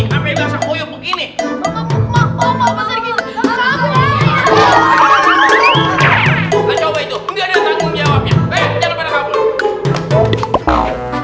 enggak liatan uang jawabnya